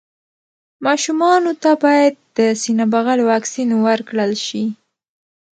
ماشومانو ته باید د سینه بغل واکسين ورکړل شي.